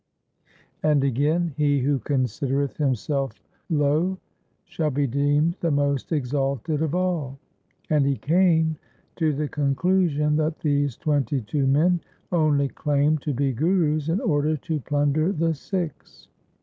And again :— He who considereth himself lowl Shall be deemed the most exalted of all ; and he came to the conclusion that these twenty two men only claimed to be gurus in order to plunder the Sikhs.